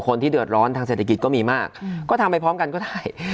คนที่เดือดร้อนทางเศรษฐกิจก็มีมากก็ทำไปพร้อมกันก็ได้